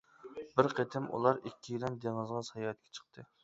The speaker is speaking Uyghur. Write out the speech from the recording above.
بىر قېتىم ئۇلار ئىككىيلەن دېڭىزغا ساياھەتكە چىقتى.